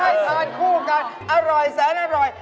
ทานคู่กันอร่อยแสนอร่อย